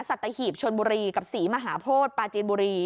สัตหีบชนบุรีกับศรีมหาโพธิปาจีนบุรี